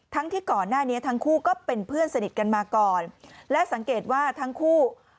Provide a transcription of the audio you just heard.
ที่ก่อนหน้านี้ทั้งคู่ก็เป็นเพื่อนสนิทกันมาก่อนและสังเกตว่าทั้งคู่